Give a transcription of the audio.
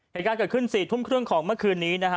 เหตุการณ์เกิดขึ้น๔ทุ่มครึ่งของเมื่อคืนนี้นะฮะ